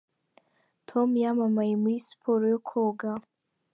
Tom yamamaye muri siporo yo koga.